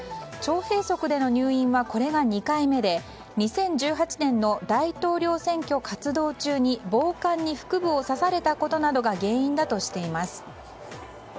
腸閉塞での入院はこれが２回目で２０１８年の大統領選挙活動中に暴漢に腹部を刺されたことなどが原因だとしています。